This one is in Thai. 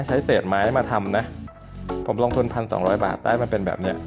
ใช้เศษไม้มาทำนะผมลงทุนพันสองร้อยบาทได้มาเป็นแบบเนี้ย